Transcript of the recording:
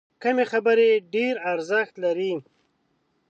کمې خبرې، ډېر ارزښت لري.